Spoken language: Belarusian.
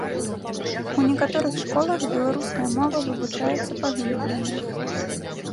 У некаторых школах беларуская мова вывучаецца паглыблена.